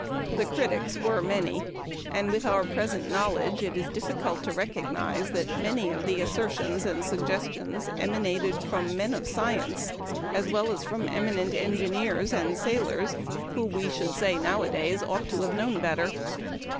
The critics were many, and with our present knowledge it is difficult to recognize that many of the assertions and suggestions emanated from men of science as well as from eminent engineers and sailors, who, we should say nowadays, ought to have known better.